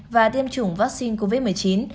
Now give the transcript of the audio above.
và tiêm chủng vaccine covid một mươi chín